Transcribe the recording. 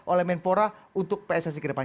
oleh menpora untuk pssi ke depan